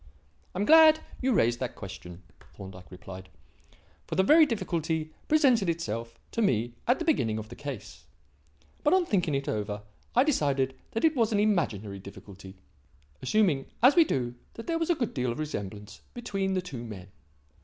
"I am glad you raised that question," Thorndyke replied, "for that very difficulty presented itself to me at the beginning of the case. But on thinking it over, I decided that it was an imaginary difficulty, assuming, as we do, that there was a good deal of resemblance between the two men.